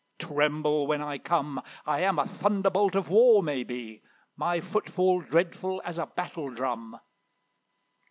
Tremble when I come; I am a thunderbolt of war, may be; My footfall dreadful as a battle drum!"